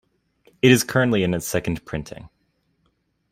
It is currently in its second printing.